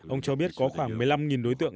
ông cho biết có khoảng một mươi năm đối tượng